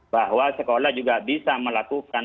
bahwa sekolah juga bisa melakukan